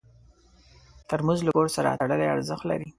ترموز له کور سره تړلی ارزښت لري.